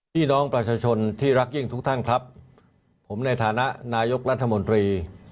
พี่น้องประชาชนที่รักยิ่งทุกท่านครับผมในฐานะนายกรัฐมนตรี